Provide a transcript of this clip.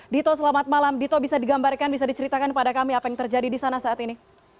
dito selamat malam dito bisa digambarkan bisa diceritakan kepada kami apa yang terjadi di sana saat ini